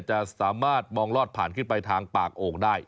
จะสามารถมองลอดผ่านขึ้นไปทางปากโอ่งได้